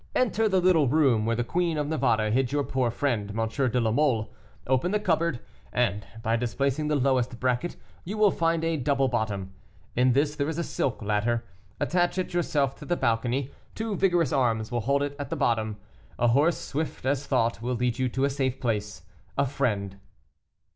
Enter the little room where the Queen of Navarre hid your poor friend, M. de la Mole, open the cupboard, and, by displacing the lowest bracket, you will find a double bottom; in this there is a silk ladder; attach it yourself to the balcony, two vigorous arms will hold it at the bottom. A horse, swift as thought, will lead you to a safe place. "A FRIEND."